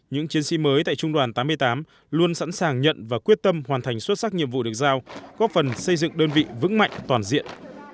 những chiến sĩ mới tại trung đoàn tám mươi tám luôn sẵn sàng nhận và quyết tâm hoàn thành xuất sắc nhiệm vụ được giao góp phần xây dựng đơn vị vững mạnh toàn diện